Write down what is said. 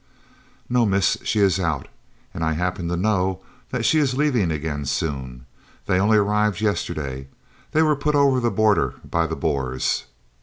"No, miss, she is out, and I happen to know that she is leaving again soon. They only arrived yesterday. They were put over the border by the Boers."